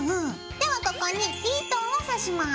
ではここにヒートンをさします。